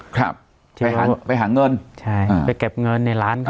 ครับไปหาเงิน